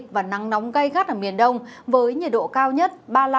và nắng nóng gây gắt ở miền đông với nhiệt độ cao nhất